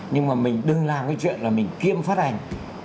nhưng mà mình đừng làm cái chuyện là mình kiêm phát hành